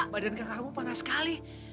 badan kakakmu panas sekali